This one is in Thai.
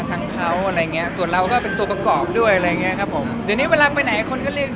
คุณวันเด็กนี่แหละคุณไปกันเยอะมาก